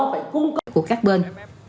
phải cung cấp của các bên